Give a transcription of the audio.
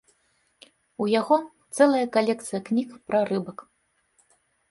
У яго цэлая калекцыя кніг пра рыбак.